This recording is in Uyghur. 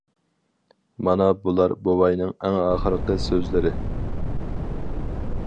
مانا بۇلار بوۋاينىڭ ئەڭ ئاخىرقى سۆزلىرى.